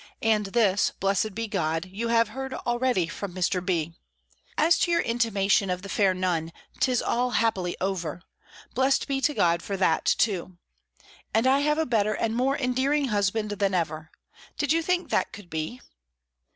And this, blessed be God! you have heard already from Mr. B. As to your intimation of the fair Nun, 'tis all happily over. Blessed be God for that too! And I have a better and more endearing husband than ever. Did you think that could be?